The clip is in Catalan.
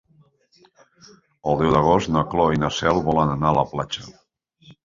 El deu d'agost na Cloè i na Cel volen anar a la platja.